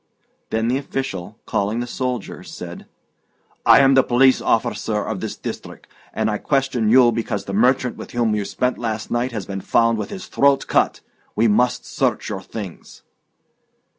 Then the official, calling the soldiers, said, "I am the police officer of this district, and I question you because the merchant with whom you spent last night has been found with his throat cut. We must search your things."